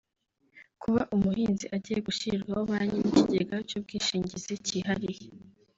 Kuba umuhinzi agiye gushyirirwaho Banki n’ikigega cy’ubwishingizi cyihariye